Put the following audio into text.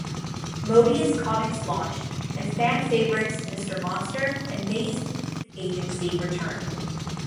Moebius Comics launched and fan favorites "Mr. Monster" and "Maze Agency" returned.